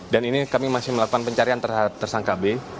dan ini kami masih melakukan pencarian terhadap tersangka b